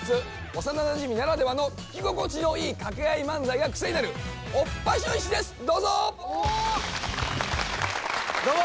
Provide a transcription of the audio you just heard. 幼なじみならではの聞き心地のいい掛け合い漫才がクセになるオッパショ石ですどうぞ！